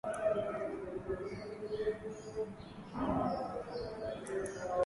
Kuko baridi wende uvale mupila